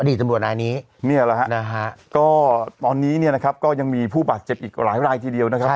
นี่แหละนะฮะก็ตอนนี้เนี่ยนะครับก็ยังมีผู้บาดเจ็บอีกหลายรายทีเดียวนะครับ